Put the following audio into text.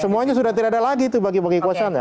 semuanya sudah tidak ada lagi itu bagi bagi kekuasaannya